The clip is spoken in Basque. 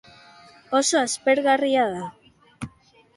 Oso aspergarria da.